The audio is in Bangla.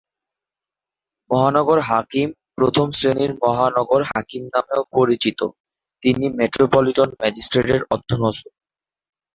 মহানগর হাকিম প্রথম শ্রেণির মহানগর হাকিম নামেও পরিচিত, তিনি চিফ মেট্রোপলিটন ম্যাজিস্ট্রেটের অধস্তন।